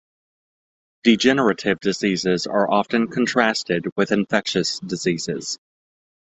Degenerative diseases are often contrasted with infectious diseases.